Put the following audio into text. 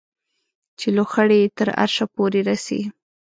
چې لوخړې یې تر عرشه پورې رسي